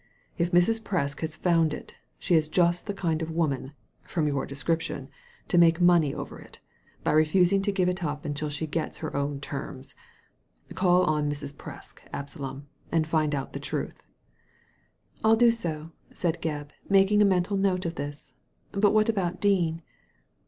If Mrs. Presk has found it, she is just the kind of woman, from your description, to make money over it, by refusing to give it up until she gets her own terms. Call on Mrs. Presk, Absalom, and find out the truth." '' I'll do so/' said Gebb, making a mental note of this. " But what about Dean